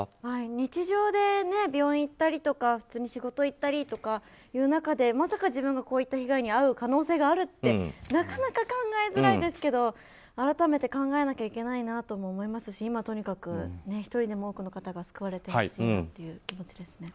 日常で病院に行ったりとか仕事に行ったりという中でまさか自分がこういった被害に遭う可能性があるってなかなか考えづらいですけど改めて考えなきゃいけないなと思いますし、今はとにかく１人でも多くの方が救われてほしいなという気持ちです。